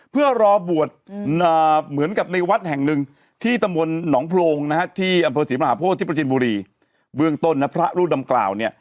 พระอาทิตย์ประชินบุรีเบื้องต้นนะพระรูปดำกล่าวเนี่ย